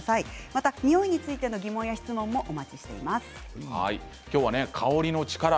また匂いについての疑問や質問もお待ちしています。